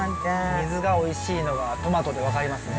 水がおいしいのがトマトで分かりますね。